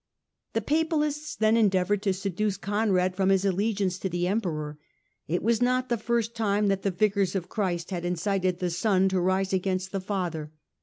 The Papalists then endeavoured to seduce Conrad from his allegiance to the Emperor : it was not the first time that the Vicars of Christ had incited the son to rise against the father.